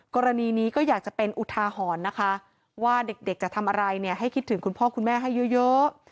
กรณีนี้ก็อยากจะเป็นอุทาหรณ์นะคะว่าเด็กจะทำอะไรเนี่ยให้คิดถึงคุณพ่อคุณแม่ให้เยอะ